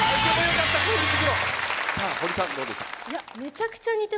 さぁ堀さんどうでしたか？